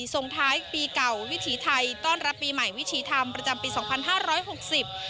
ส่งท้ายปีเก่าวิถีไทยต้อนรับปีใหม่วิถีธรรมประจำปีสองพันห้าร้อยหกสิบ